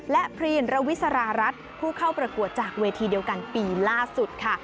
และพรีนระวิสารารัฐผู้เข้าประกวดจากเวทีเดียวกันปีล่าสุดค่ะ